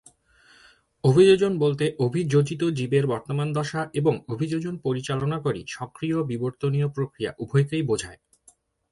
অভিযোজন বলতে অভিযোজিত জীবের বর্তমান দশা এবং অভিযোজন পরিচালনাকারী সক্রিয় বিবর্তনীয় প্রক্রিয়া উভয়কেই বোঝায়।